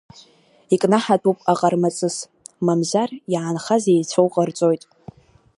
Икнаҳатәуп Аҟармаҵыс, мамзар, иаанхаз еицәоу ҟарҵоит…